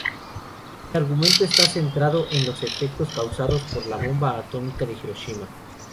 El argumento está centrado en los efectos causados por la bomba atómica de Hiroshima.